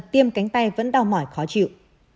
tiêm cánh tay vẫn đau mỏi khó chịu